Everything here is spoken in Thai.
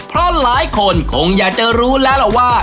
เพราะหลายคนคงอยากจะรู้แล้วล่ะว่า